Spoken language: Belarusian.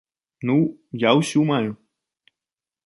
Ну, я ўсю маю.